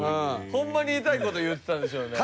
ホンマに言いたい事言ってたんでしょうね。